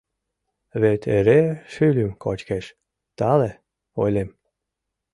Вет эре шӱльым кочкеш... тале, — ойлем.